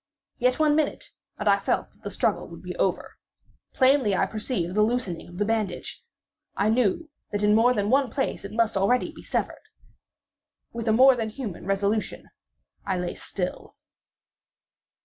Yet one minute, and I felt that the struggle would be over. Plainly I perceived the loosening of the bandage. I knew that in more than one place it must be already severed. With a more than human resolution I lay still.